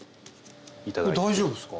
これ大丈夫ですか？